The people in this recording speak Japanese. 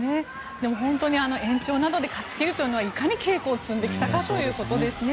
でも本当に延長などで勝ち切るというのはいかに稽古を積んできたかということですね。